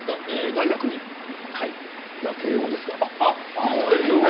大学院が慶応ですから。